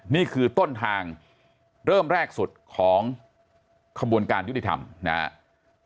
นี่คือต้นทางเริ่มแรกสุดของขบวนการยุติธรรมนะครับ